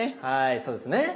はいそうですね。